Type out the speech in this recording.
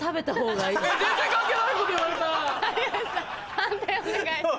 判定お願いします。